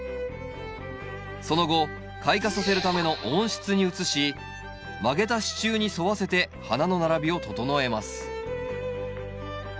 その後開花させるための温室に移し曲げた支柱に沿わせて花の並びを整えます